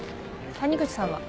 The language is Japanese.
谷口さんは？